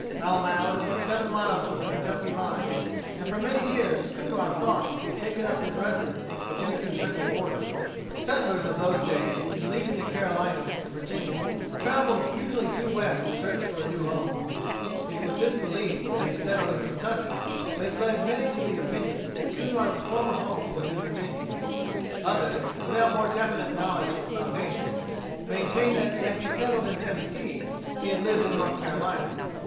Pall Mall is but seven miles from the Kentucky line, and for many years Coonrod thought he had taken up his residence within the Kentucky border. Settlers of those days in leaving the Carolinas and Virginia traveled usually due west in search for a new home. It was this belief that he had settled in Kentucky that has led many to the opinion that Coonrod's former home was in Virginia. Others, without more definite knowledge for foundation, maintain that as he settled in Tennessee he had lived in North Carolina.